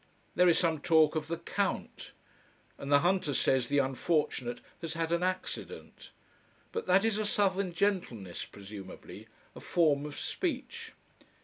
There is some talk of "the Count". And the hunter says the unfortunate "has had an accident." But that is a southern gentleness presumably, a form of speech.